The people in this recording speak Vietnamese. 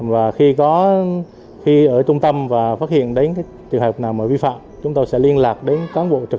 và khi ở trung tâm và phát hiện đến trường hợp nào vi phạm chúng tôi sẽ liên lạc đến cán bộ trật